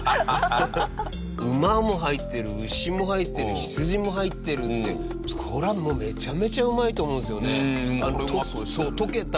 馬も入ってる牛も入ってる羊も入ってるってこれはもうめちゃめちゃうまいと思うんですよね。